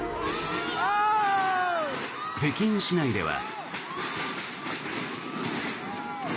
北京市内では。